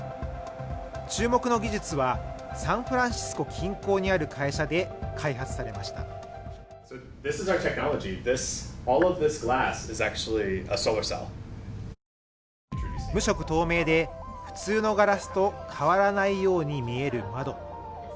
注目の技術はサンフランシスコ近郊にある会社で開発されました無色透明で普通のガラスと変わらないように見える窓